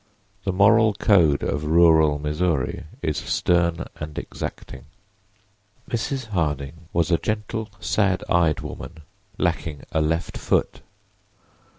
The moral code of rural Missouri is stern and exacting. Mrs. Harding was a gentle, sad eyed woman, lacking a left foot.